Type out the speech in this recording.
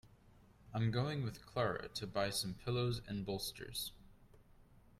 I'm going with Clara to buy some pillows and bolsters.